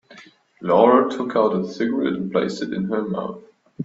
Laura took out a cigarette and placed it in her mouth.